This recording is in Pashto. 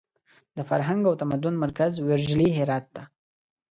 د فرهنګ او تمدن مرکز ویرژلي هرات ته!